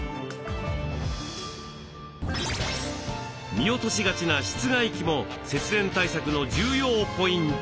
見落としがちな室外機も節電対策の重要ポイント。